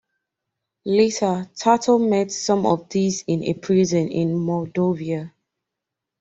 Later, Tarto met some of these in a prison in Mordovia.